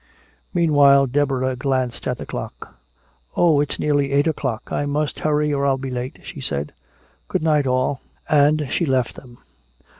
Meanwhile Deborah glanced at the clock. "Oh! It's nearly eight o'clock! I must hurry or I'll be late," she said. "Good night, all " And she left them.